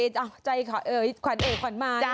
ตกใจไงเออเอ๊ะขวัญเอ๋ยขวัญมา